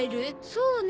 そうね